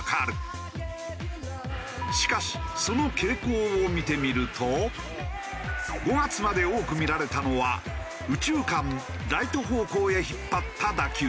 しかし５月まで多く見られたのは右中間ライト方向へ引っ張った打球。